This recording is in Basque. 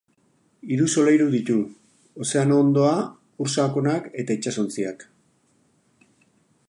Hiru solairu ditu, ozeano hondoa, ur sakonak eta itsasontziak.